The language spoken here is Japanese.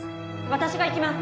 私が行きます！